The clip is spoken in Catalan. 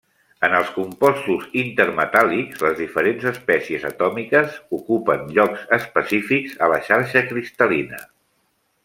En els compostos intermetàl·lics les diferents espècies atòmiques ocupen llocs específics a la xarxa cristal·lina.